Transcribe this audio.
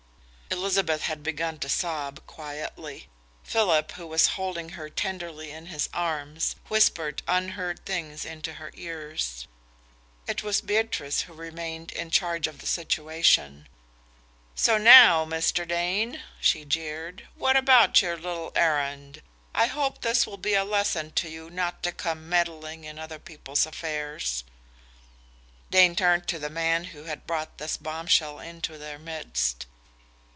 Elizabeth had begun to sob quietly. Philip, who was holding her tenderly in his arms, whispered unheard things into her ears. It was Beatrice who remained in charge of the situation. "So now, Mr. Dane," she jeered, "what about your little errand? I hope this will be a lesson to you not to come meddling in other people's affairs." Dane turned to the man who had brought this bombshell into their midst.